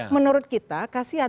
menurut kita kasian